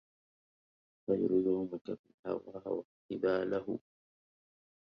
خير يوميك في الهوى واقتباله